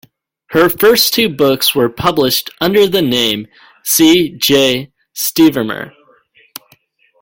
Her first two books were published under the name C. J. Stevermer.